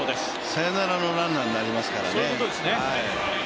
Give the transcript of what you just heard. サヨナラのランナーになりますからね。